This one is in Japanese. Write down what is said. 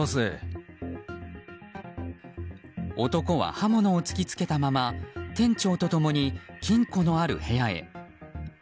男は刃物を突き付けたまま店長と共に金庫のある部屋へ。